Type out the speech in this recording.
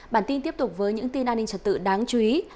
bản tin tiếp tục với những tin an ninh trật tự đáng chú ý